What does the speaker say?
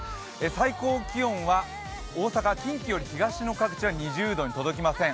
最高気温は大阪近畿より東の各地は２０度に届きません。